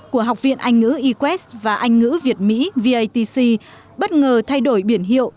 của học viện anh ngữ e quest và anh ngữ việt mỹ vatc bất ngờ thay đổi biển hiệu